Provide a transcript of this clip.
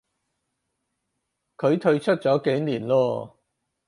佢退出咗幾年咯